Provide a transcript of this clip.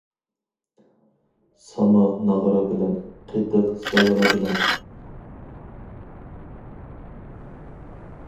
ساما ناغرا بىلەن، قېتىق زاغرا بىلەن.